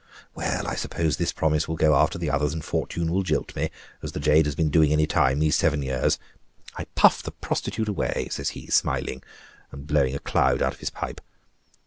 Well, I suppose this promise will go after the others, and fortune will jilt me, as the jade has been doing any time these seven years. 'I puff the prostitute away,'" says he, smiling, and blowing a cloud out of his pipe.